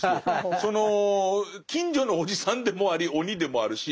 その近所のおじさんでもあり鬼でもあるし。